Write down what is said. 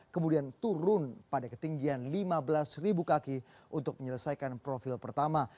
kemudian turun pada ketinggian lima belas kaki untuk menyelesaikan profil pertama